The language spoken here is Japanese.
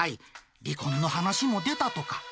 離婚の話も出たとか。